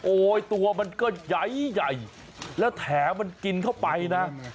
ตัวมันก็ใหญ่แล้วแถมันกินเข้าไปนะ